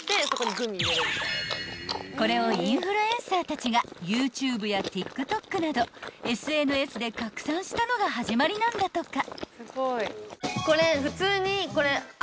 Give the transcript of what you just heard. ［これをインフルエンサーたちがＹｏｕＴｕｂｅやＴｉｋＴｏｋなどＳＮＳで拡散したのが始まりなんだとか］